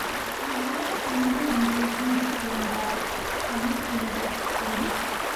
இவ்வுலகம் உண்டு என்று கூறிப் போந்தார் தமிழ்ப்புலவர் ஒருவர்.